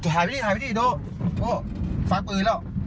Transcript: หายไปนิดดูฝากปืนล่ะ